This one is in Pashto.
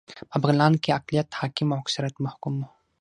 په بغلان کې اقليت حاکم او اکثريت محکوم و